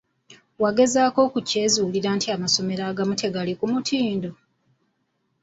Wagezezzaako okukyezuulira nti amasomero agamu tegali ku mutindo?